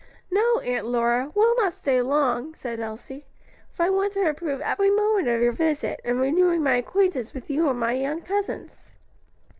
"No, Aunt Lora, we'll not stay long," said Elsie; "for I want to improve every moment of your visit, in renewing my acquaintance with you and my young cousins."